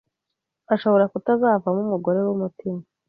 ashobora kutazavamo umugore w'umutima